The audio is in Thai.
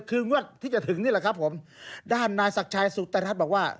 คืองวดที่จะถึงนี่แหละครับผมด้านนายศักดิ์ชายสุตรทัศน์บอกว่า